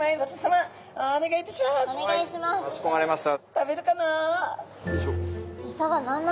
食べるかな？